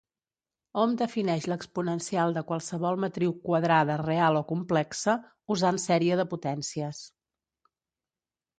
Hom defineix l'exponencial de qualsevol matriu quadrada real o complexa, usant sèrie de potències.